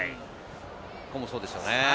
ここもそうですね。